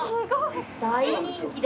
大人気だ。